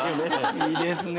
いいですね。